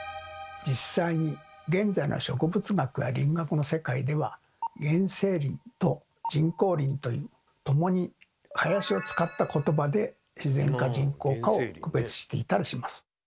実際に現在の植物学や林学の世界では「原生林」と「人工林」という共に「林」を使ったことばで自然か人工かを区別していたりします。